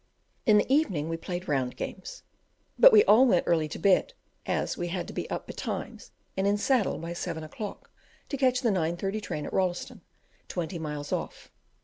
In the evening we played round games. But we all went early to bed, as, we had to be up betimes, and in the saddle by seven o'clock, to catch the 9 30 train at Rolleston; twenty miles off.